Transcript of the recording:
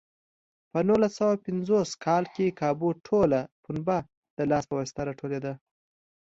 په نولس سوه پنځوس کال کې کابو ټوله پنبه د لاس په واسطه راټولېده.